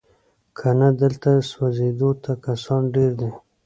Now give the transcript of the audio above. کنه دلته سوځېدو ته کسان ډیر دي